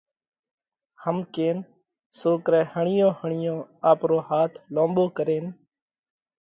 هم ڪينَ سوڪرئہ هڻِيئون هڻِيئون آپرو هاٿ لونٻو ڪرينَ